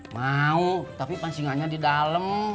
mau tapi pancingannya di dalam